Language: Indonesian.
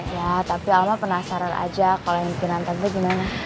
ya tapi alma penasaran aja kalo yang bikinan tante gimana